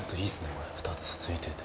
これ、２つついてて。